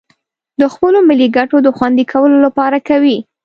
د خپلو ملي گټو د خوندي کولو لپاره کوي